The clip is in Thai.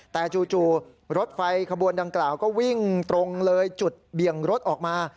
แต่จู่รถไฟขบวนดังกล่าวก็วิ่งตรงเลยจุดเบี่ยงรถออกมา